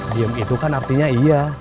diem itu kan artinya iya